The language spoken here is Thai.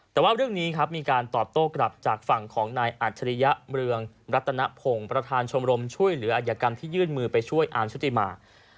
แต่ว่าเรื่องนี้ครับมีการตอบโต้กลับจากฝั่งของนายอัจฉริยะเมืองรัตนพงศ์ประธานชมรมช่วยเหลืออัยกรรมที่ยื่นมือไปช่วยอาร์มชุติมา